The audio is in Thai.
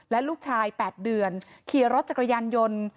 และลูกชาย๘เดือนขี่รถจักรยานยนต์